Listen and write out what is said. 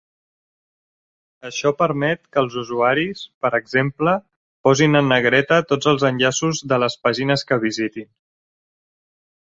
Això permet que els usuaris, per exemple, posin en negreta tots els enllaços de les pàgines que visitin.